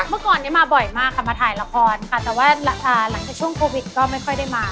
เมื่อก่อนนี้มาบ่อยมากค่ะมาถ่ายละครค่ะแต่ว่าหลังจากช่วงโควิดก็ไม่ค่อยได้มา